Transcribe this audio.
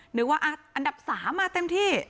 เหนื่อยว่าอันดับ๓มาเต็มที่